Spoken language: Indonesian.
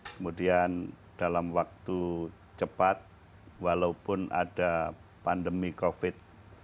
kemudian dalam waktu cepat walaupun ada pandemi covid sembilan belas